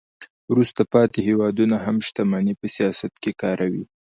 وروسته پاتې هیوادونه هم شتمني په سیاست کې کاروي